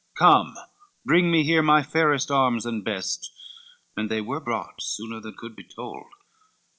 Come bring me here my fairest arms and best;" And they were brought sooner than could be told.